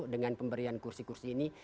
dengan pemberian kursi kursi ini